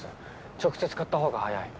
直接買ったほうが早い。